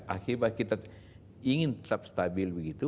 akibat kita ingin tetap stabil begitu